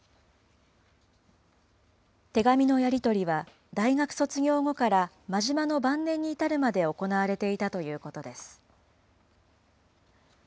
手紙のやり取りは、大学卒業後から真島の晩年に至るまで行われていたということです。